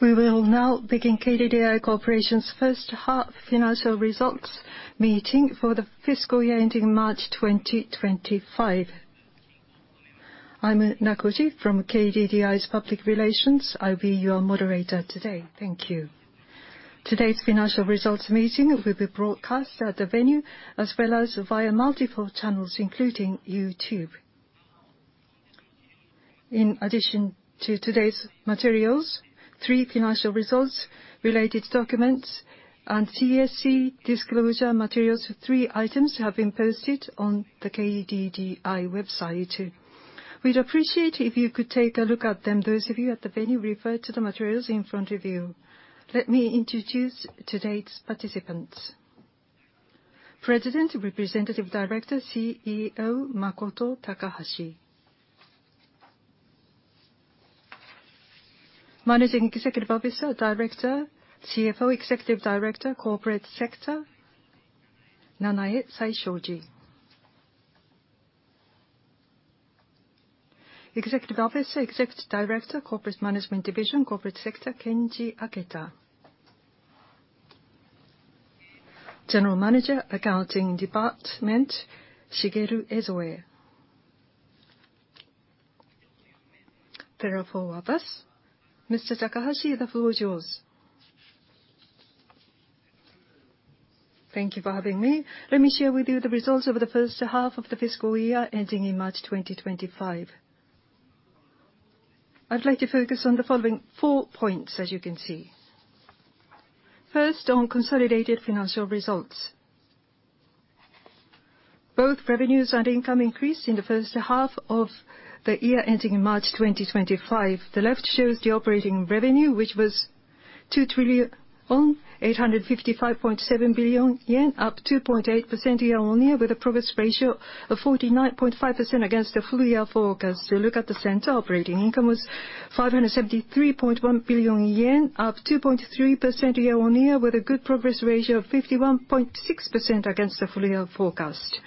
We will now begin KDDI Corporation's first half financial results meeting for the fiscal year ending March 2025. I'm Nakoji from KDDI's Public Relations. I'll be your moderator today. Thank you. Today's financial results meeting will be broadcast at the venue, as well as via multiple channels, including YouTube. In addition to today's materials, three financial results, related documents, and TSE disclosure materials, three items have been posted on the KDDI website. We'd appreciate it if you could take a look at them. Those of you at the venue, refer to the materials in front of you. Let me introduce today's participants. President, Representative Director, CEO, Makoto Takahashi. Managing Executive Officer, Director, CFO, Executive Director, Corporate Sector, Nanae Saishoji. Executive Officer, Executive Director, Corporate Management Division, Corporate Sector, Kenji Aketa. General Manager, Accounting Department, Shigeru Ezoe. There are four of us. Mr. Takahashi, the floor is yours. Thank you for having me. Let me share with you the results of the first half of the fiscal year ending in March 2025. I'd like to focus on the following four points, as you can see. First, on consolidated financial results. Both revenues and income increased in the first half of the year ending in March 2025. The left shows the operating revenue, which was 2,855.7 billion yen, up 2.8% year-on-year, with a progress ratio of 49.5% against the full year forecast. Look at the center. Operating income was 573.1 billion yen, up 2.3% year-on-year, with a good progress ratio of 51.6% against the full year forecast.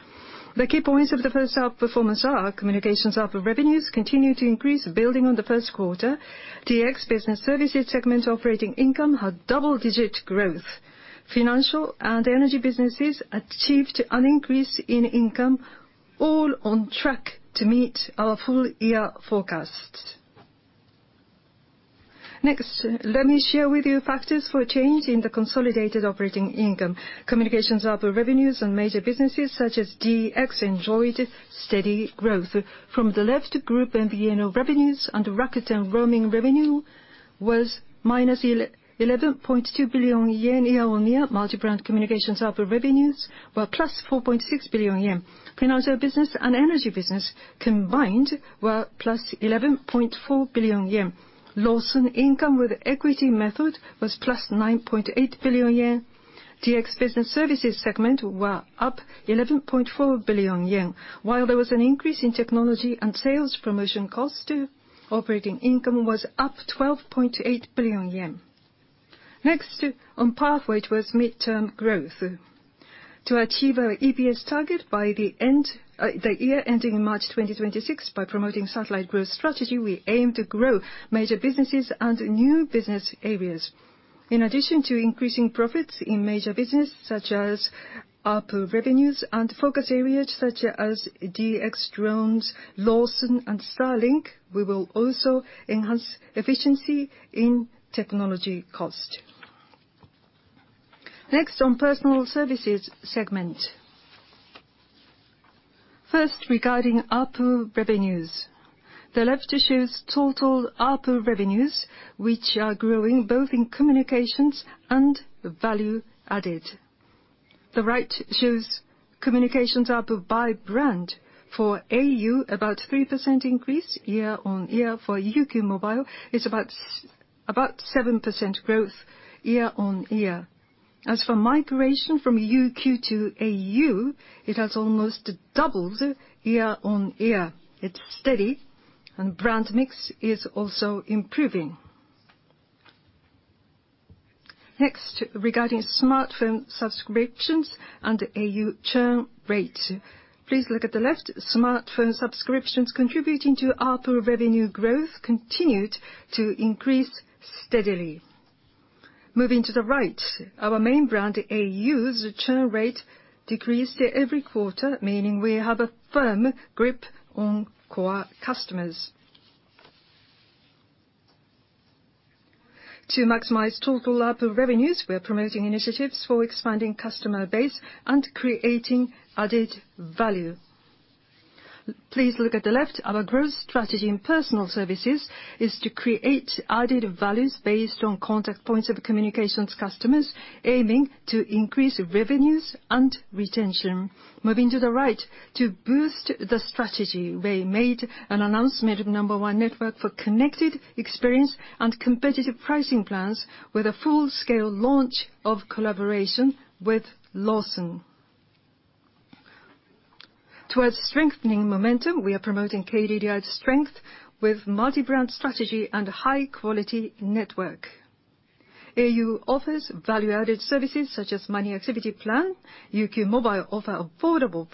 The key points of the first half performance are communications ARPU revenues continue to increase, building on the first quarter. DX Business Services segment operating income had double-digit growth. Financial and energy businesses achieved an increase in income, all on track to meet our full-year forecast. Next, let me share with you factors for a change in the consolidated operating income. Communications ARPU revenues and major businesses such as DX enjoyed steady growth. From the left group MVNO revenues and Rakuten roaming revenue was -11.2 billion yen year-on-year. Multi-brand communications ARPU revenues were +4.6 billion yen. Financial business and energy business combined were +11.4 billion yen. Lawson income with equity method was +9.8 billion yen. DX Business Services segment were up 11.4 billion yen. While there was an increase in technology and sales promotion cost, operating income was up 12.8 billion yen. Next, on pathway towards mid-term growth. To achieve our EPS target by the year ending in March 2026 by promoting satellite growth strategy, we aim to grow major businesses and new business areas. In addition to increasing profits in major business such as ARPU revenues and focus areas such as DX drones, Lawson and Starlink, we will also enhance efficiency in technology cost. Next, on personal services segment. First, regarding ARPU revenues. The left shows total ARPU revenues, which are growing both in communications and value added. The right shows communications ARPU by brand. For au, about 3% increase year-on-year. For UQ mobile, it's about 7% growth year-on-year. As for migration from UQ to au, it has almost doubled year-on-year. It's steady, and brand mix is also improving. Next, regarding smartphone subscriptions and au churn rate. Please look at the left. Smartphone subscriptions contributing to ARPU revenue growth continued to increase steadily. Moving to the right, our main brand, au's churn rate decreased every quarter, meaning we have a firm grip on core customers. To maximize total ARPU revenues, we are promoting initiatives for expanding customer base and creating added value. Please look at the left. Our growth strategy in personal services is to create added values based on contact points of communications customers, aiming to increase revenues and retention. Moving to the right, to boost the strategy, we made an announcement of number one network for connected experience and competitive pricing plans with a full-scale launch of collaboration with Lawson. Towards strengthening momentum, we are promoting KDDI's strength with multi-brand strategy and high-quality network. au offers value-added services such as au Money Activity Plan. UQ mobile offer affordable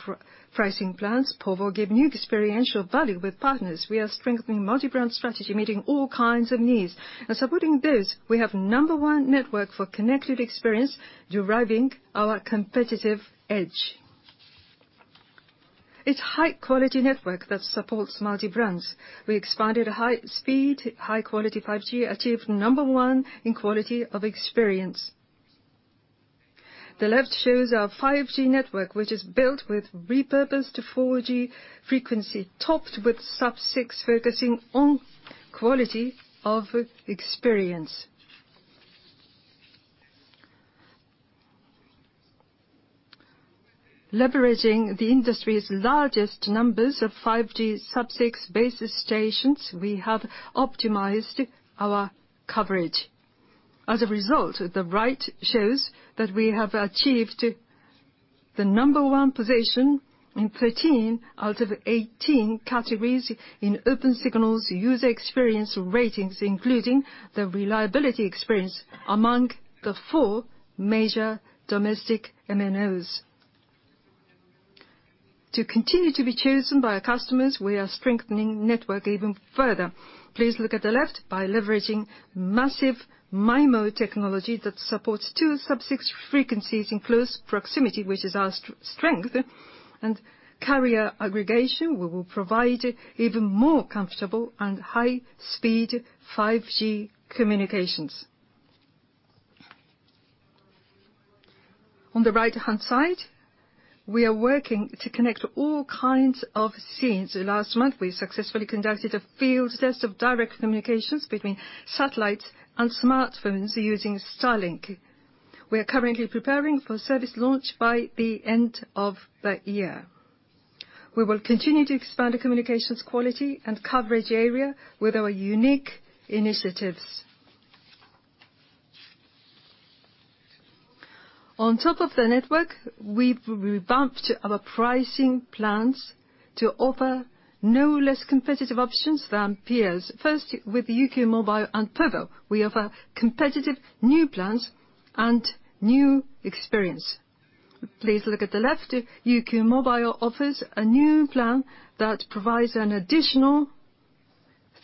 pricing plans. povo give new experiential value with partners. We are strengthening multi-brand strategy, meeting all kinds of needs. Supporting this, we have number one network for connected experience, deriving our competitive edge. It's high-quality network that supports multi-brands. We expanded high-speed, high-quality 5G, achieved number one in quality of experience. The left shows our 5G network, which is built with repurposed 4G frequency, topped with Sub-6, focusing on quality of experience. Leveraging the industry's largest numbers of 5G Sub-6 base stations, we have optimized our coverage. As a result, the right shows that we have achieved the number one position in 13 out of 18 categories in Opensignal's user experience ratings, including the reliability experience, among the four major domestic MNOs. To continue to be chosen by our customers, we are strengthening network even further. Please look at the left. By leveraging Massive MIMO technology that supports 2 Sub-6 frequencies in close proximity, which is our strength, and carrier aggregation, we will provide even more comfortable and high-speed 5G communications. On the right-hand side, we are working to connect all kinds of scenes. Last month, we successfully conducted a field test of direct communications between satellites and smartphones using Starlink. We are currently preparing for service launch by the end of the year. We will continue to expand the communications quality and coverage area with our unique initiatives. On top of the network, we've revamped our pricing plans to offer no less competitive options than peers. First, with UQ mobile and povo, we offer competitive new plans and new experience. Please look at the left. UQ mobile offers a new plan that provides an additional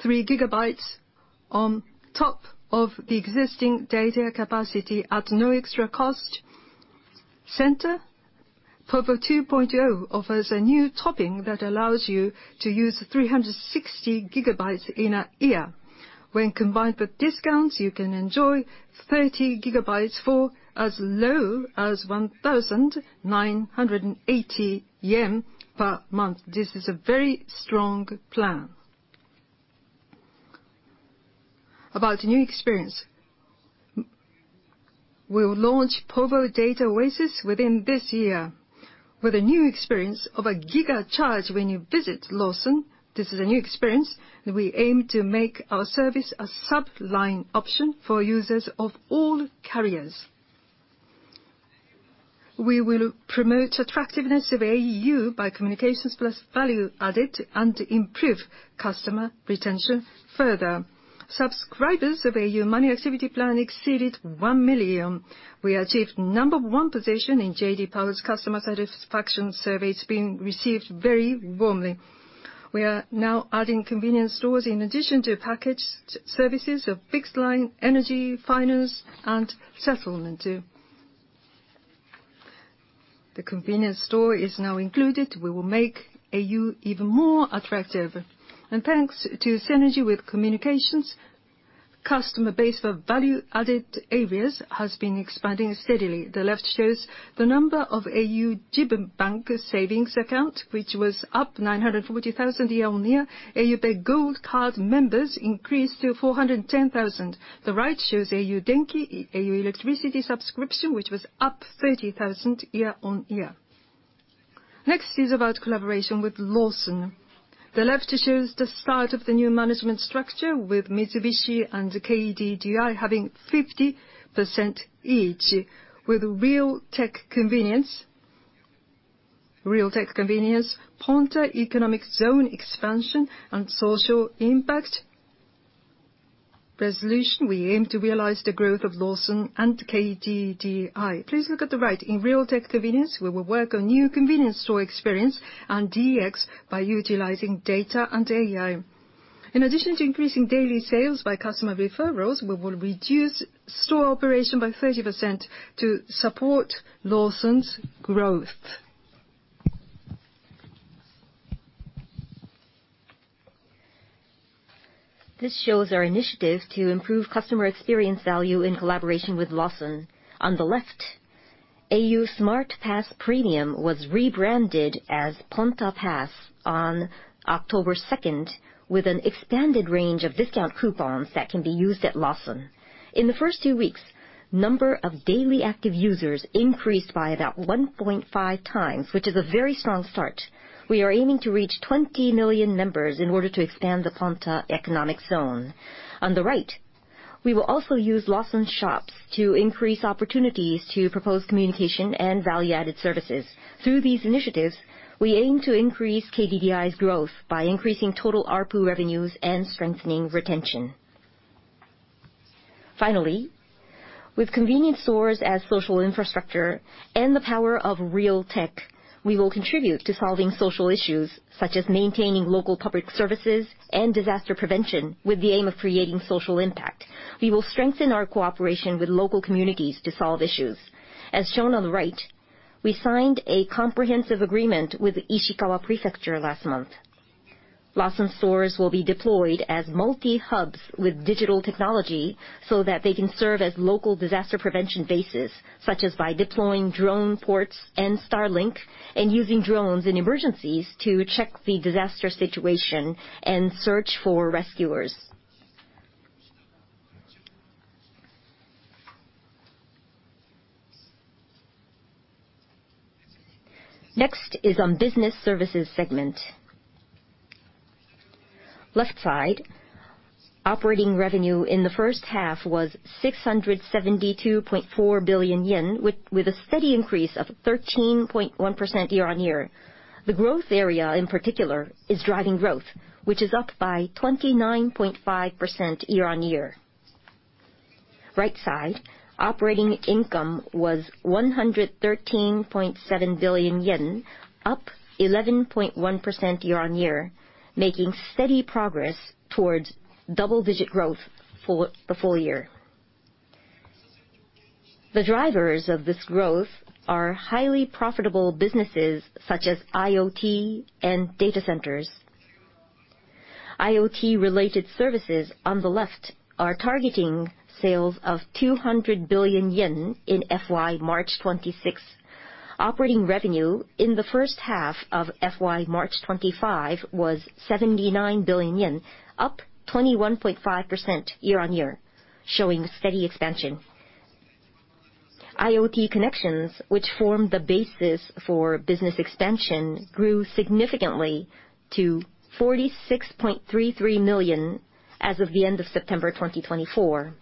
3 gigabytes on top of the existing data capacity at no extra cost. Center, povo2.0 offers a new topping that allows you to use 360 gigabytes in a year. When combined with discounts, you can enjoy 30 gigabytes for as low as 1,980 yen per month. This is a very strong plan. About new experience. We will launch povo Data Oasis within this year with a new experience of a giga charge when you visit Lawson. This is a new experience, and we aim to make our service a sub-line option for users of all carriers. We will promote attractiveness of au by communications plus value added and improve customer retention further. Subscribers of au Money Activity Plan exceeded 1 million. We achieved number one position in J.D. Power's customer satisfaction survey. It's been received very warmly. We are now adding convenience stores in addition to package services of fixed line, energy, finance, and settlement. The convenience store is now included. We will make au even more attractive. Thanks to synergy with communications, customer base for value-added areas has been expanding steadily. The left shows the number of au Jibun Bank savings account, which was up 940,000 year-on-year. au PAY Gold Card members increased to 410,000. The right shows au Denki, au Electricity subscription, which was up 30,000 year-on-year. Next is about collaboration with Lawson. The left shows the start of the new management structure with Mitsubishi Corporation and KDDI having 50% each. With real tech convenience, Ponta economic zone expansion, and social impact resolution, we aim to realize the growth of Lawson and KDDI. Please look at the right. In real tech convenience, we will work on new convenience store experience and DX by utilizing data and AI. In addition to increasing daily sales by customer referrals, we will reduce store operation by 30% to support Lawson's growth. This shows our initiative to improve customer experience value in collaboration with Lawson. On the left, au Smart Pass Premium was rebranded as Ponta Pass on October 2nd, with an expanded range of discount coupons that can be used at Lawson. In the first two weeks, number of daily active users increased by about 1.5 times, which is a very strong start. We are aiming to reach 20 million members in order to expand the Ponta economic zone. On the right, we will also use Lawson shops to increase opportunities to propose communication and value-added services. Through these initiatives, we aim to increase KDDI's growth by increasing total ARPU revenues and strengthening retention. Finally, with convenience stores as social infrastructure and the power of real tech, we will contribute to solving social issues such as maintaining local public services and disaster prevention with the aim of creating social impact. We will strengthen our cooperation with local communities to solve issues. As shown on the right, we signed a comprehensive agreement with Ishikawa Prefecture last month. Lawson stores will be deployed as multi-hubs with digital technology so that they can serve as local disaster prevention bases, such as by deploying drone ports and Starlink, and using drones in emergencies to check the disaster situation and search for rescuers. Next is on business services segment. Left side, operating revenue in the first half was 672.4 billion yen, with a steady increase of 13.1% year-on-year. The growth area in particular is driving growth, which is up by 29.5% year-on-year. Right side, operating income was 113.7 billion yen, up 11.1% year-on-year, making steady progress towards double-digit growth for the full year. The drivers of this growth are highly profitable businesses such as IoT and data centers. IoT-related services, on the left, are targeting sales of 200 billion yen in FY March 2026. Operating revenue in the first half of FY March 2025 was 79 billion yen, up 21.5% year-on-year, showing steady expansion. IoT connections, which form the basis for business expansion, grew significantly to 46.33 million as of the end of September 2024.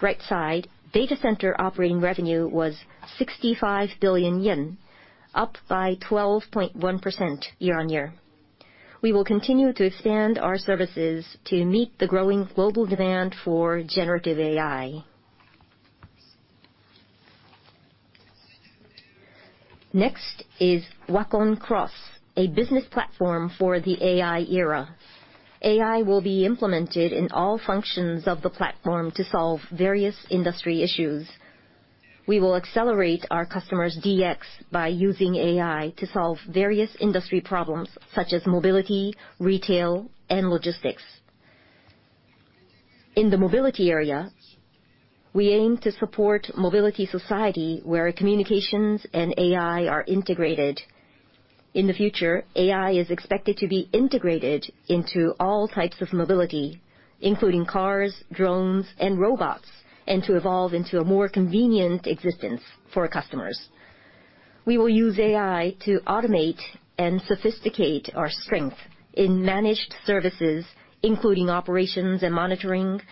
Right side, data center operating revenue was 65 billion yen, up by 12.1% year-on-year. We will continue to expand our services to meet the growing global demand for generative AI. Next is WAKONX, a business platform for the AI era. AI will be implemented in all functions of the platform to solve various industry issues. We will accelerate our customers' DX by using AI to solve various industry problems such as mobility, retail, and logistics. In the mobility area, we aim to support mobility society where communications and AI are integrated. In the future, AI is expected to be integrated into all types of mobility, including cars, drones, and robots, and to evolve into a more convenient existence for our customers. We will use AI to automate and sophisticate our strength in managed services, including operations and monitoring,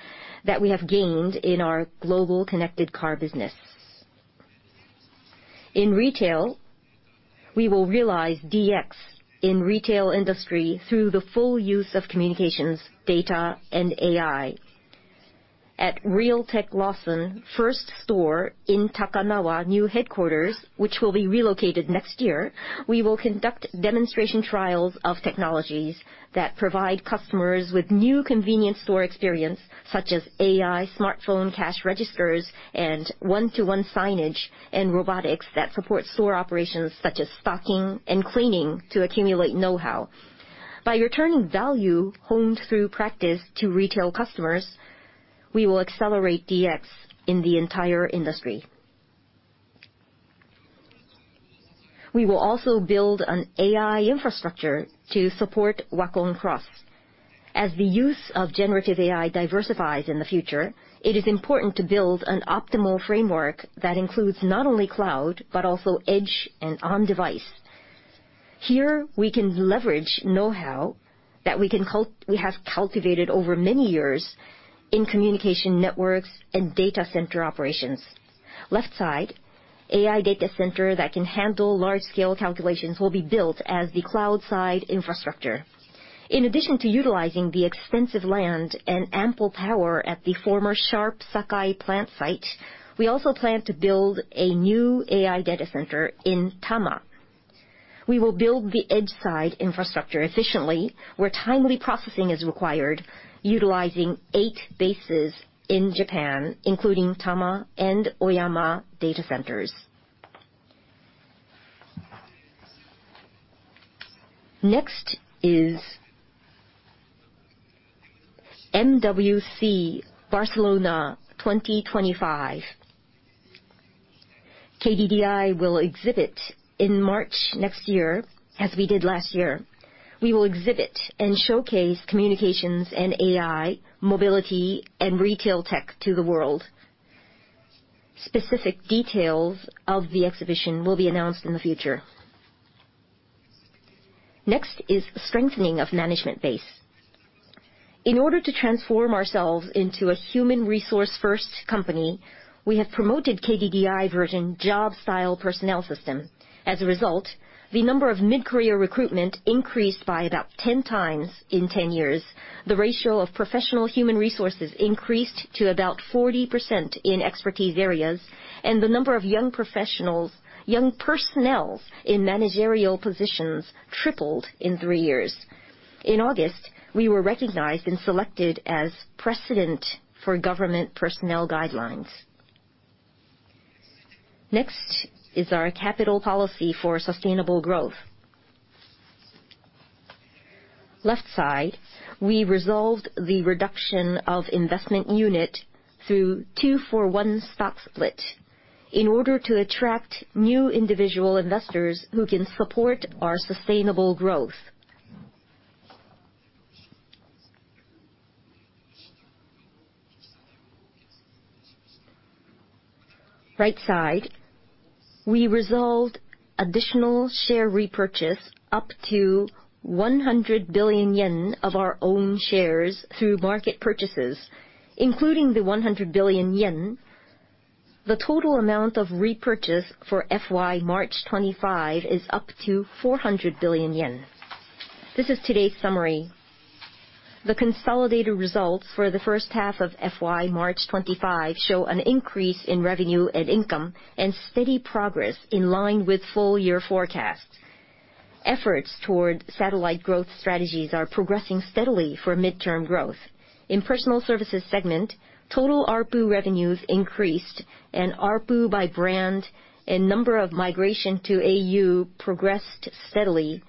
that we have gained in our global connected car business. In retail, we will realize DX in retail industry through the full use of communications, data, and AI. At Real x Tech Lawson first store in Takanawa new headquarters, which will be relocated next year, we will conduct demonstration trials of technologies that provide customers with new convenience store experience, such as AI smartphone cash registers and one-to-one signage and robotics that support store operations such as stocking and cleaning to accumulate knowhow. By returning value honed through practice to retail customers, we will accelerate DX in the entire industry. We will also build an AI infrastructure to support WAKONX. As the use of generative AI diversifies in the future, it is important to build an optimal framework that includes not only cloud, but also edge and on-device. Here, we can leverage knowhow that we have cultivated over many years in communication networks and data center operations. Left side, AI data center that can handle large-scale calculations will be built as the cloud-side infrastructure. In addition to utilizing the extensive land and ample power at the former Sharp Sakai plant site, we also plan to build a new AI data center in Tama. We will build the edge side infrastructure efficiently where timely processing is required, utilizing eight bases in Japan, including Tama and Oyama data centers. Next is MWC Barcelona 2025. KDDI will exhibit in March next year, as we did last year. We will exhibit and showcase communications and AI, mobility, and retail tech to the world. Specific details of the exhibition will be announced in the future. Next is strengthening of management base. In order to transform ourselves into a human resource-first company, we have promoted KDDI-version job style personnel system. As a result, the number of mid-career recruitment increased by about 10 times in 10 years. The ratio of professional human resources increased to about 40% in expertise areas, and the number of young professionals, young personnel in managerial positions tripled in three years. In August, we were recognized and selected as precedent for government personnel guidelines. Next is our capital policy for sustainable growth. Left side, we resolved the reduction of investment unit through two-for-one stock split in order to attract new individual investors who can support our sustainable growth. Right side, we resolved additional share repurchase up to 100 billion yen of our own shares through market purchases. Including the 100 billion yen, the total amount of repurchase for FY March 2025 is up to 400 billion yen. This is today's summary. The consolidated results for the first half of FY March 2025 show an increase in revenue and income and steady progress in line with full-year forecasts. Efforts towards satellite growth strategies are progressing steadily for midterm growth. In Personal Services segment, total ARPU revenues increased, and ARPU by brand and number of migration to au progressed steadily.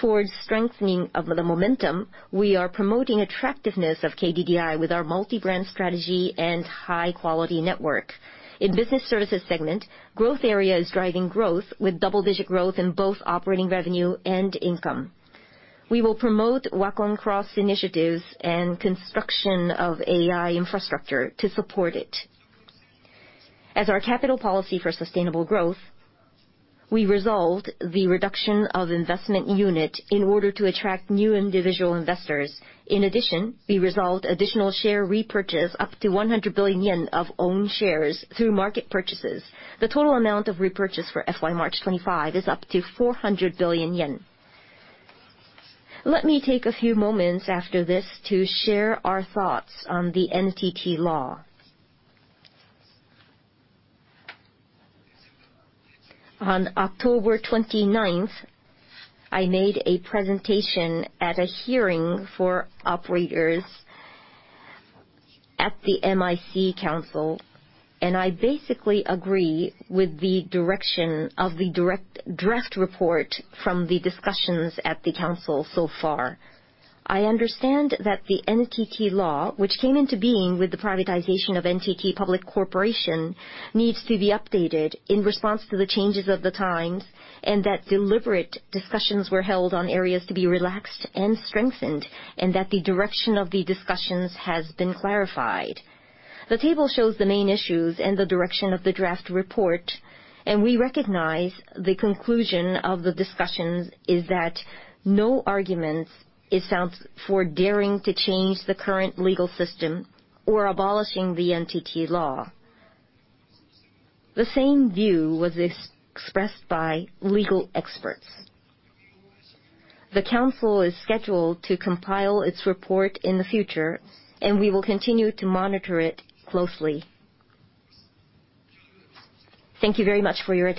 Towards strengthening of the momentum, we are promoting attractiveness of KDDI with our multi-brand strategy and high-quality network. In Business Services segment, growth area is driving growth with double-digit growth in both operating revenue and income. We will promote WAKONX initiatives and construction of AI infrastructure to support it. As our capital policy for sustainable growth, we resolved the reduction of investment unit in order to attract new individual investors. In addition, we resolved additional share repurchase up to 100 billion yen of own shares through market purchases. The total amount of repurchase for FY 2025 is up to 400 billion yen. Let me take a few moments after this to share our thoughts on the NTT law. On October 29th, I made a presentation at a hearing for operators at the MIC Council, and I basically agree with the direction of the draft report from the discussions at the council so far. I understand that the NTT law, which came into being with the privatization of Nippon Telegraph and Telephone Public Corporation, needs to be updated in response to the changes of the times, and that deliberate discussions were held on areas to be relaxed and strengthened, and that the direction of the discussions has been clarified. The table shows the main issues and the direction of the draft report, and we recognize the conclusion of the discussions is that no arguments, it sounds, for daring to change the current legal system or abolishing the NTT law. The same view was expressed by legal experts. The council is scheduled to compile its report in the future, and we will continue to monitor it closely. Thank you very much for your attention.